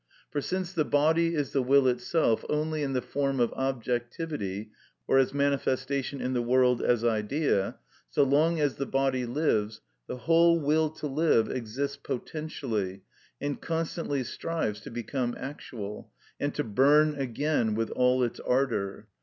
For since the body is the will itself only in the form of objectivity or as manifestation in the world as idea, so long as the body lives, the whole will to live exists potentially, and constantly strives to become actual, and to burn again with all its ardour.